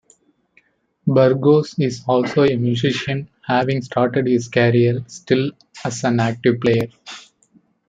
Burgos is also a musician, having started his career still as an active player.